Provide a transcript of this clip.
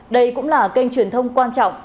đây cũng là kênh truyền thông quan trọng